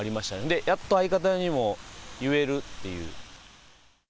で、やっと相方にも言えるっていう。